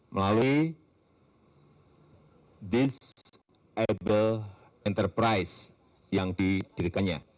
melalui disable enterprise yang didirikannya